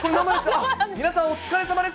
皆さんお疲れさまです。